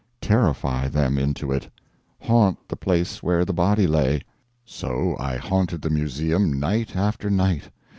Terrify them into it! haunt the place where the body lay! So I haunted the museum night after night.